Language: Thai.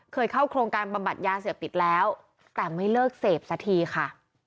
เข้าโครงการบำบัดยาเสพติดแล้วแต่ไม่เลิกเสพสักทีค่ะ